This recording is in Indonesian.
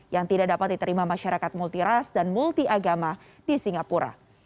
yang tidak dapat diterima masyarakat multiras dan multi agama di singapura